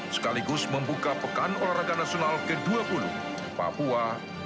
sekaligus membuka pekan olahraga nasional ke dua puluh papua dua ribu dua puluh